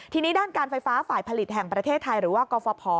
ทีนี้ด้านการไฟฟ้าฝ่ายผลิตแห่งประเทศไทยหรือว่ากฟภ